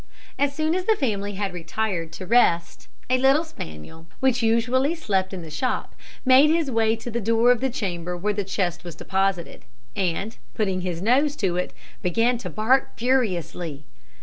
As soon as the family had retired to rest, a little spaniel, which usually slept in the shop, made his way to the door of the chamber where the chest was deposited, and putting his nose close to it, began to bark furiously.